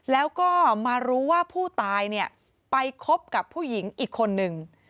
แล้วก็มารู้ว่าผู้ตายเนี่ยไปคบกับผู้หญิงอีกคนนึง